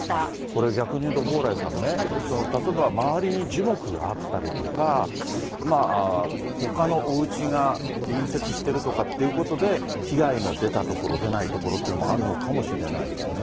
これ、逆に言うと蓬莱さんね、例えば、周りに樹木があったりとか、ほかのおうちが隣接しているとかっていうことで被害の出た所、出ない所っていうのもあるのかもしれないですね。